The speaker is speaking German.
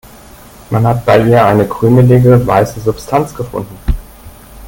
Man hat bei ihr eine krümelige, weiße Substanz gefunden.